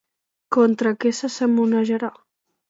Contra què se sermonejarà?